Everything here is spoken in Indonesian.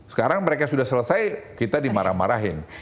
sekarang mereka sudah selesai kita dimarah marahin